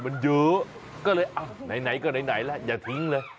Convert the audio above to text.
มันเยอะก็เลยอ่ะไหนก็ไหนแล้วอย่าทิ้งเลย